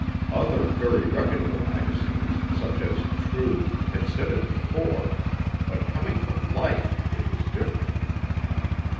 Other very reputable magazines, such as True, had said it before, but coming from Life, it was different.